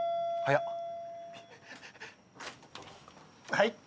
はい。